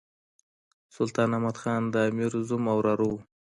سلطان احمد خان د امیر زوم او وراره وو.